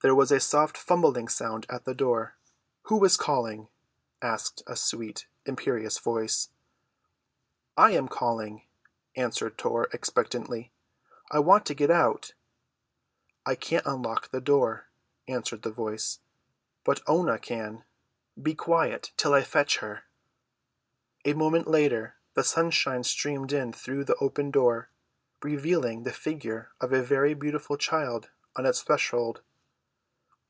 There was a soft fumbling sound at the door. "Who is calling?" asked a sweet, imperious voice. "I am calling," answered Tor expectantly. "I want to get out." "I can't unlock the door," answered the voice, "but Oonah can. Be quiet till I fetch her." A moment later the sunshine streamed in through the open door, revealing the figure of a very beautiful child on its threshold.